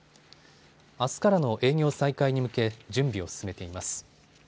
あすからの営業再開に向け準備を進めています。